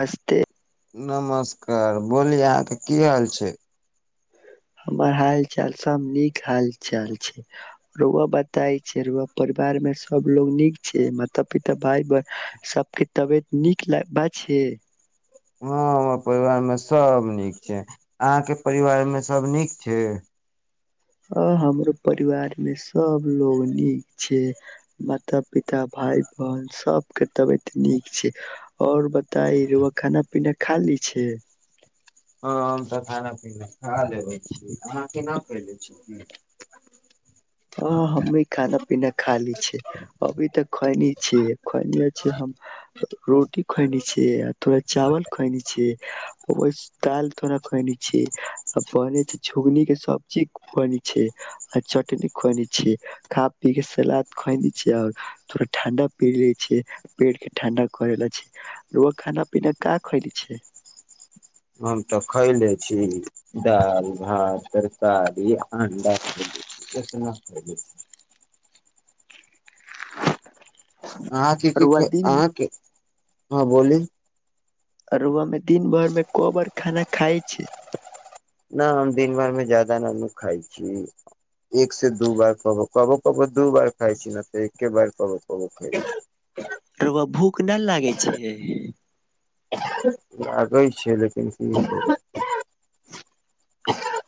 हस्ते नमस्कार बोलि अहाँके की हाल छै हमर हाल चाल सब नीक हाल चाल छै रौआ बताय छै रौआ परिवारमे सबलोग नीक छै माता पिता भाय बहिन सबके तबियत नीक बा छै हँ हमर परिवारमे सभ नीक छै अहाँके परिवारमे सभ नीक छै आ हमरो परिवारमे स सबलोग नीक छै माता पिता भाय बहन सबके तबियत नीक छै और बताई रउवा खाना पीना खाली छै हँ हम तऽ खाना पीना खा लेबै छी अहाँ केना खेले छी पिना खाली छै अभी तक खइनी छिय खयने छी हम रोटी खयने छियै आ थोड़ा चावल खयने छियै ओ ताल धना खुने छै आ बने छै झुगनी के सब ची बनि छै आ चटनी खुने छियै खा पी केके सलाद खोएने छियै आओर थोरा ठण्डा पी ले छ पेट के ठंडा करे ल छै रउवा खाना पीना कहा खोएले छय हम तऽ खयले छी दालि भात तरकारी अणडा खयले छी इतना खयले छी [inaudible] अहाँ कीथि रउआ छय दिन अहाँके हँ बोली अरुआमे दिन भर मे कोबर खाना खाइ छै न हम दिन भार मे जादा नू खाइ छी एक से दू बार क कब क दू बार खााय छी न त एकके बार कब कब खाइ छि। रउआ भूख नहि लागै छै [inaudible] आगै छै लेकिन है है है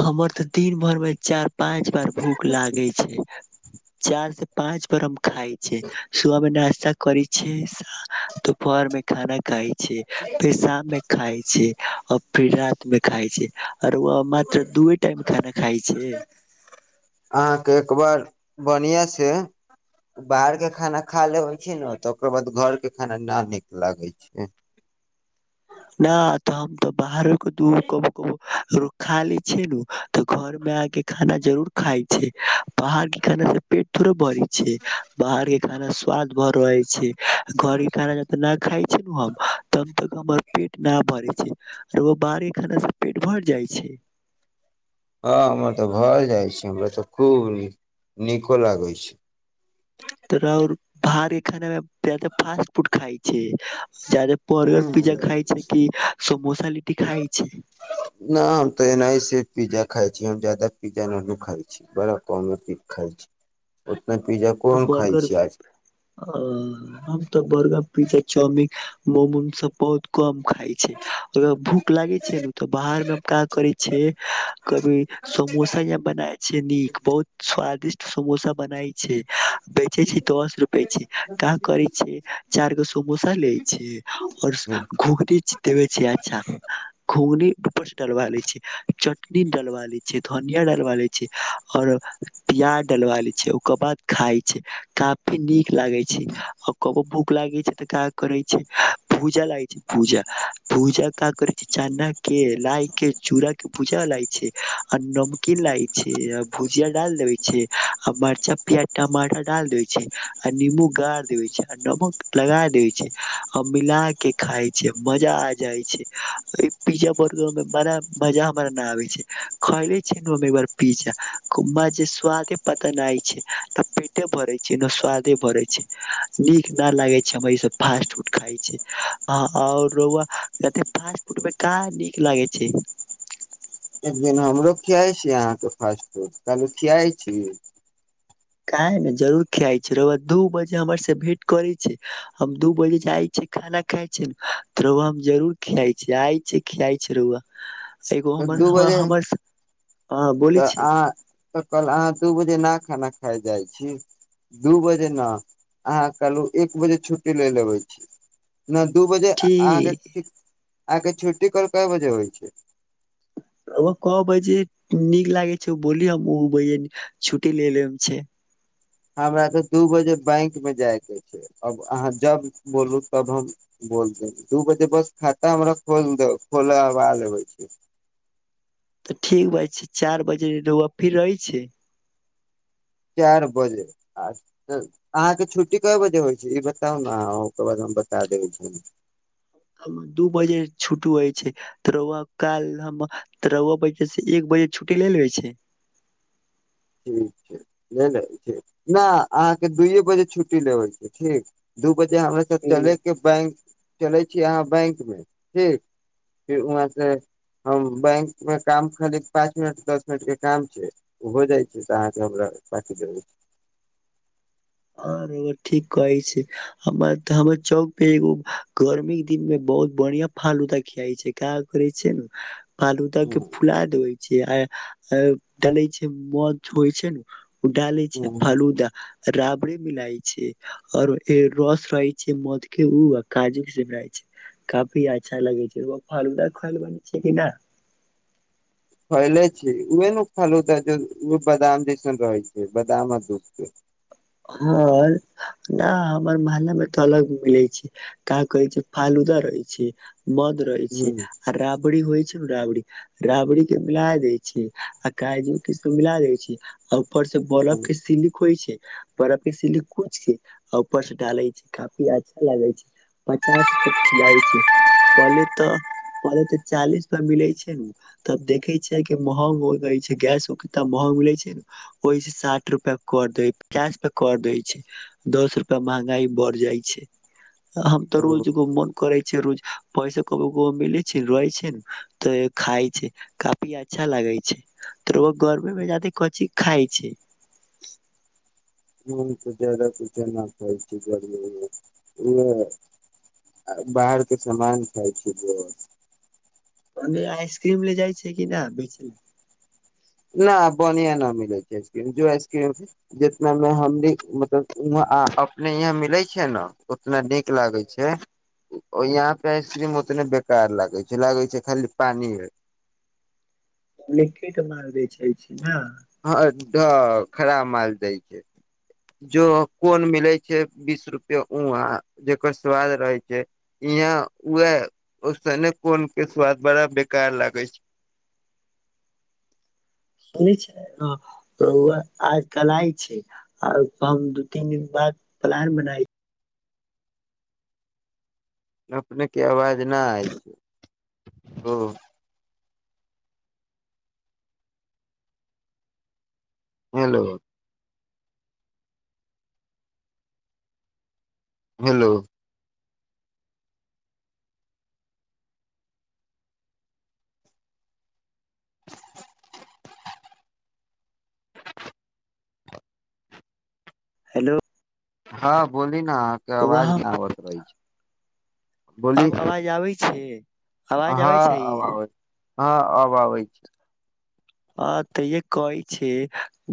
हमर तऽ दिन भरि मे चार पाच बार भूख लागे छै चार से पाँच बार हम खााय छ सुबह मे नाास्ता करै छिय दुपहर मे खाना खााय छ फेर शाम मे खााय छै आर फेर रात मे खााय छै आर ओ तऽ दूए टाइम खाना खाइ छै अहाँके एक बार बढ़िआँसँ बाहरके खाना खा लेबै छै ने तऽ ओकर बाद घरके खाना न नीक लागै छै न तऽ हम तऽ बाहरो द खा ले छिय तऽ घर मे आके ना ना खाना जरूर खााय छै बाहर के खाना से पेट थोड़े भरै छै बाहर के खाना स्वाद भर रहे छै घर के खाना जब न खााय छै न हम तब त हमर पेट न भरै छै आ ओ बाहरी खाना से पेट भर जाइ छै हँ हममे तऽ घर जाइ छी हमरा तऽ खूब नीक नीको लागै छै तो राउर बाहरके खाना मे ज्यादा फास्ट फूड खाइ छै चल परे पिज्जा न खाय छय कि समोसा लिटी खाइ छै हम तऽ एनाहिसे पिज्जा खाइ छी हम ज्यादा पिज्जा न खाइ छी ब क खाइ छी उतना पिज्जा कोन खाइ बर्गर छी आज हम तऽ हम त बर्गर पिज्जा चाउमिन मोम उम सब बहुत कम खााय छै अगर भूख लागे छै न तऽ बाहर मे हम क करे छै कभी समोसा जे बना से नीक बहुत स्वादिष्ट समोसा बनाई छै बेचे छी दस रुपे छै कहाँ करै छी चार गो समोस खलि छैय ओर घुघरी छै देवे छी अच्छा घुंगनी उ पर से डलवा लै छी चटनी डलवा लै छीे धनिया डालवा लै छी और प्याज डालवा लै छी उ कर बाद खााय छैय काफी नीक लागे छैय आ कबो भूख लागे छैय तऽ का करय छैय भूजा लागै छैय भूजा भूजा का करई छैय चना के लााय के चूड़ा के भूजा लागै छैय आ नमकीन लागै छैय आ भुजिया डाल देेबई छैय आ मर्चा प्याज टमाटर डाल देय छैय आ नंबू गाार देबय छैय आ नमक लगा देय छैयआ मिला के खााय छैय मजा आ जाय छैय पिज्जा बर्गर में बड़ मजा हमरा न आबे छैय खायले छी ने एकार पिज्जा जे स्वादे पत न आ छैय त पेटे भरे छैय ने स्वादे बरे छैय नीक न लागे छैय हमर इसभ फास्ट फूड खाइ छैय आओर रउआ फास्ट फूड मे काँ नीक लागे छैय एक दिन हमरो खियाइ छी अहाँके फास्ट फूड कहलू खियाइ छी काहे ने जरूर खियाइ छैय रौुआ दू बजे हमर से भेंट करै छैय हम दू बजे जाइ छै खाना खााय छैय ने तऽ रुउआ हम जरूर खियाइ छी आइ छीै खियाइ छैय रौआ त दू बजे हाँ बोलै तऽ छै अहाँ तऽ कल अहाँ दू बजे न खाना खाय जाइ छी दू बजे ने अहाँ कहलू एक बजे छुट्टी लै ल अबै छी नहि दू बजे अहाँके ठीक ठीक आहांके छुट्टी [unintelligible] कय बजे होइ छैय ओ कहबै जे नीक लागै छैय बोली हम ओ छुट्टी ले लेम छैय हमरा तऽ दू बजे बैंकमे जायके छैय अब अहाँ जब बोलू तब हम बोल देब दू बजे बस खाता हमरा खोल दे खोलबाल लेबे छैय तऽ ठीक बात छैय चार बजे रउआ फिर रहै छैय चारि बजे अ अहाँके छुट्टी कए बजे होइ छैय ई बताउ ने अ ओकर बाद हम बता देबै छी हम दू बजे छुट्टी होइ छै त रऊआ काल हम त रऊआ बजे से एक बजे छुट्टी ले लेबै छी ठीक छै नहि छै नहि अहाँके दूइए बजे छुट्टी लेबै छैय ठीक दू बजे [unintelligible] हूँ चले के बैंक चले छीअहाँ बैंक में ठीक फिर वहाँ से हम बैंक मे काम खाली पाँच मिनट दस मिनट के काम छै हो जाइ तहाँके हमरा पटि देब आरो ठीक कहै छैय हमर तऽ हमर चौक पे एगो गर्मी दिन मे बहुत बढ़िया फालूदा खियाआइ छैय क करै छैय ने बालूदा के फुला देवे छी आ डले छी बध होइ छैय ने उडाली छैय फलूदा रब कपड़े मिलइ छैय आओर रस रहै छैय मध के उ आ काजू से म छैय काफी अच्छा लगे छैय फलूदा खल बनै छैय कि न फैलय छैय उह ने फालूदा जे बादाम जैसन रहै छैय बादाम आ दुख के हँ न हमर महल्ला मे तऽ अलग मिलै छैय का कहै छैय फालूदा रहै छैय मद रहै छैय आ राबड़ी होइ छैय न राबड़ी राबड़ी के मिला दै छैय आ काजू की सब मिला दै छैय अ र से बलप के सिलिक होइ छै बरप के सिलिक होइ छैय आ ऊपर से डाले छैय काफी अच्छा लागे छैय पचास रूप के खिलाबे छैय पहले तऽ पले तऽ चालीस रूपयामें मिलै छैय ने तब देखई छैय की महंग हो गए छैय गैस उ कितना महग मिलै छैय ने ओहिस साठ रूपआ कर दे पचास प कर दै छैय दस रुपआ महंगाई बढ़ जाइ छैय हम तऽ रोजग मोन करे छैय रोज पैस क मिलै छैय रहै छैय न तऽ खाइ छैय काफी अच्छा लागै छैय त ओ गर्मी मे जाादे की खाइ छैय ह तऽ जदाा किछ नहि खाइ छी गर्मीमे उह बाहरके सामान खाइ छी ओने आइसक्रीम ले जाइ छैय कि नहि बेच ले न बढ़आं न मिलै छैय आसक्रीम जो आइसक्रीम जितना मे हम मतलब अपने यहाँ मिलै छैय ने उतना नीक लागै छैय यहाँ पे आइसक्रीम उतने बेकार लागै छैय लागै छैय खाली पानि ह [unintelligible] मार बेचै छी ने हँ तऽ खराब माल दै छै जो कोन मिलै छै बीस रुपये उहाँ जेकर स्वाद रहै छै यहाँ वैह ओसने कोन के स्वाद बड़ा बेकार लागै छै सुनै छै रौआ आज कल्हि छै आ हम दू तीन दिन बाद प्लान बनाई अपने के आवाज नहि आइ ओ हेलो हेलो [inaudible] हेलो हँ बोल नहि न अहाँक रौआ अवाज नहि अबैत रहै छै बोली अब आवाज आबै छै आवाज हँ आबै छै अब आबै हँ अब आबै छै हँ तऽ ये कहै छै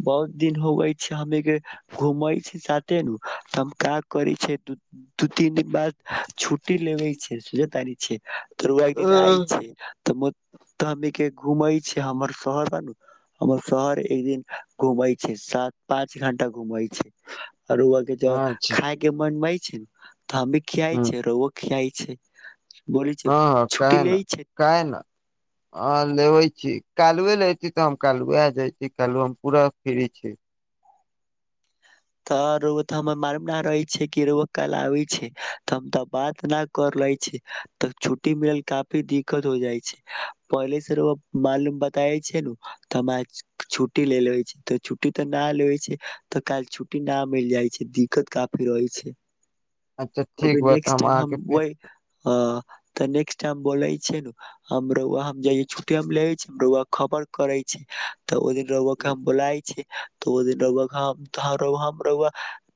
बहुत दिन होवै छै हमे घूमै छी साथे न तऽ हम का करै छै दू तीन बाद छुट्टी लेबे छै सोलह तारीख छै तऽ रौआक दिन आइ छै तऽ त हमनी के घूम छी हमर शहर बानू हमर शहर एक दिन घुमै छै सात पाँच घंटा घुमै छै आ रौआक तऽ अच्छा खाय के मनमे छै तऽ हम भी खियाइ छै रौऔ खियाइ छै बोलै छै हँ हँ छुट्टी काहे ले नहि छै काहे नहि हँ हँ लेबै छी काल्हि लऽ एती तऽ हम काल्हि आजयती काल्हि हम पूरा फ्री छी तऽ रौआ तऽ हमर मालूम नहि रहे छै कि कल आबै छै तऽ हम तऽ बात न कर ले छी तऽ छुट्टी मिलल काफी दिक्कत हो जाइ छै पहिले से रौआ मालूम बताये छै न तऽ हम आइ छुट्टी ले लेबे छी त छुट्टी तऽ न लेेबे छै तऽ कल्हि छुट्टी न मिल जाइ छै दिक्कत काफी रहै छै अच्छा कभी ठीक बा तऽ नेक्स्ट टाइम हम अहाँके फेर वहि अ तऽ नेक्स्ट टाइ बोलै छै नू हम रौआ हम जाइ छुट्टी हम लेेबे छी रौआ खबर करै छी तऽ ओहि दिन रोआ के हम बोलाई छी तऽ ओ दिन रौआक हम तऽ हम रौआ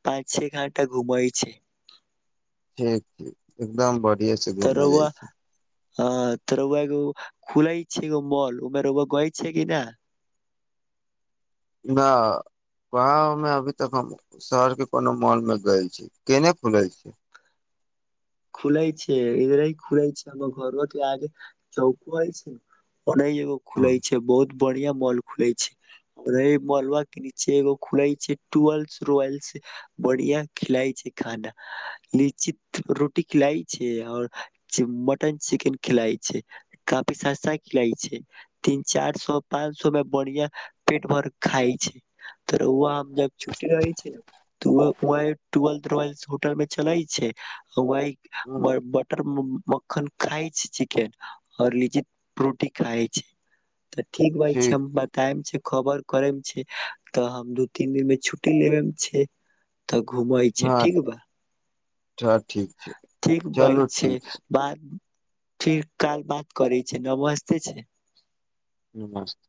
पाँच छ घण्टा घुमए छै ठीक ठीक एकदम बढ़िया कहिया से घुमय लेल जाइ हँ तऽ रौआ एगो खुलै छै एगो मॉल ओहिमे रौआ गेल छै कि नहि नहि गाउँमे अभी तक हम शहरके कोनो मॉलमे गेल छी केने खुलै छै खुले छै इधरे खुले हमर घरवा के लगे चौक नहि छै ओनहि एगो खुलै छै बहुत बढ़िया मॉल खुले छै ओहि मॉल के नीचे एगो खुलै छै डूअल रोल्स बढ़िया खिलई छै खाना निश्चित रोटी खिलाय छै आओर मटन चिकेन खिलाय छै काफी सस्ता खिलाय छै तीन चार सए पाच सए मे बढ़िया पेट भरि खाय छै तऽ रउआ आबि जब छुट्टी रहै छै तऽ वैह ट्वेल्थ रॉयल्स होटल मे चलैत छै [unintelligible] ब हँ बटर मक्खन खाइ छै चिकेन आओर लिट्टी रोटी खाय छै तऽ ठीक भाइ छै हम बतायब छै खबर करेमे छै तऽ हम दू तीन दिन मे छुट्टी लेबे मे छै तऽ घूमै छै ठीक बा छ ठीक भाई छै बात ठीक काल्हि बात करय छै नमस्ते छै मस्त